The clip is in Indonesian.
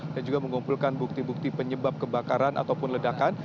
dan juga mengumpulkan bukti bukti penyebab kebakaran ataupun ledakan